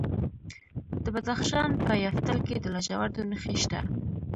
د بدخشان په یفتل کې د لاجوردو نښې شته.